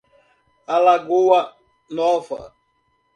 Alagoa Nova